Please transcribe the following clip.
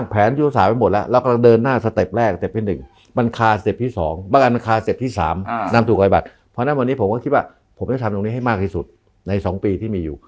เพราะฉะนั้นวันนี้ผมก็คิดว่าผมจะทำตรงนี้ให้มากที่สุดใน๒ปีที่มีอยู่